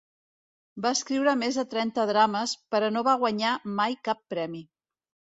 Va escriure més de trenta drames, però no va guanyar mai cap premi.